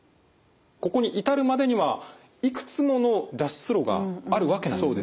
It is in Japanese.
ここに至るまでにはいくつもの脱出路があるわけなんですね。